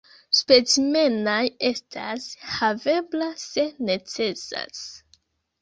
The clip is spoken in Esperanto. Specimenaj estas havebla se necesas.